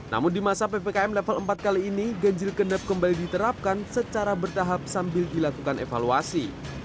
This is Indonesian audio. namun di masa ppkm level empat kali ini ganjil genap kembali diterapkan secara bertahap sambil dilakukan evaluasi